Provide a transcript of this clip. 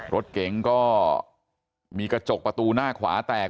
รถเก๋งก็มีกระจกประตูหน้าขวาแตก